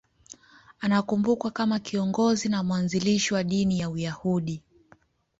Anakumbukwa kama kiongozi na mwanzilishi wa dini ya Uyahudi.